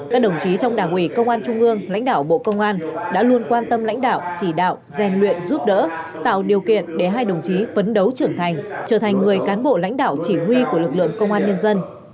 các đồng chí trong đảng ủy công an trung ương lãnh đạo bộ công an đã luôn quan tâm lãnh đạo chỉ đạo rèn luyện giúp đỡ tạo điều kiện để hai đồng chí phấn đấu trưởng thành trở thành người cán bộ lãnh đạo chỉ huy của lực lượng công an nhân dân